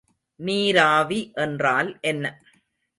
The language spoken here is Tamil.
நீராவி என்றால் என்ன?